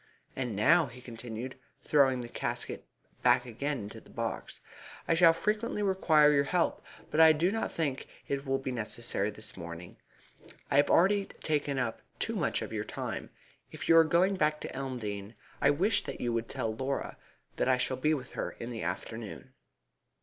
And now," he continued, throwing his casket back again into the box, "I shall frequently require your help, but I do not think it will be necessary this morning. I have already taken up too much of your time. If you are going back to Elmdene I wish that you would tell Laura that I shall be with her in the afternoon."